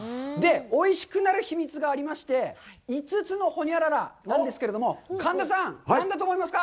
おいしくなる秘密がありまして、５つのホニャララなんですけれども、神田さん、何だと思いますか！？